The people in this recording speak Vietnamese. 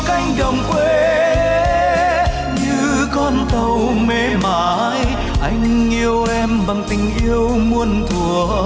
anh yêu em anh yêu em thế thế thôi